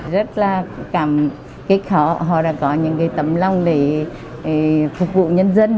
rất là cảm kích họ họ đã có những cái tấm lòng để phục vụ nhân dân